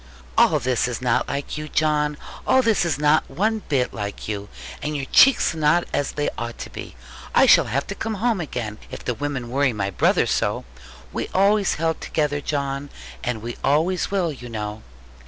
'All this is not like you, John. All this is not one bit like you: and your cheeks are not as they ought to be. I shall have to come home again, if the women worry my brother so. We always held together, John; and we always will, you know.'